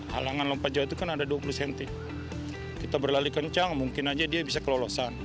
halangan lompat jauh itu kan ada dua puluh cm kita berlari kencang mungkin aja dia bisa kelolosan